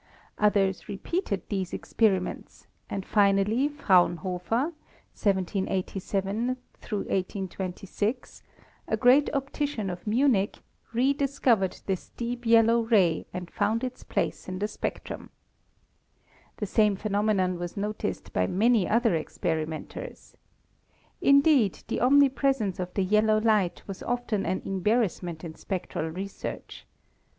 Others repeated these experiments, and finally Fraunhofer (1787 1826), a great optician of Munich, re discovered this deep yellow ray and found its place in the spectrum. The same phenomenon was noticed by many other experimenters. Indeed, the omnipresence of the yellow light was often an embarrassment in spectral re search.